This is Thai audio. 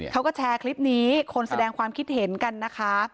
เขาก็แชร์คลิปนี้คนแสดงความคิดเห็นกันนะคะ